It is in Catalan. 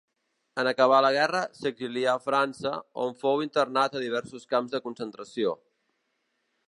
En acabar la guerra, s'exilià a França, on fou internat a diversos camps de concentració.